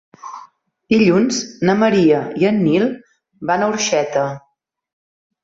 Dilluns na Maria i en Nil van a Orxeta.